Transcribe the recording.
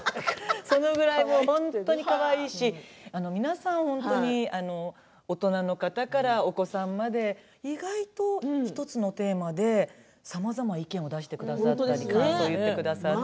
そのぐらいかわいいし皆さん、本当に大人の方からお子さんまで意外と１つのテーマでさまざま意見を出してくださって感想を言ってくださって。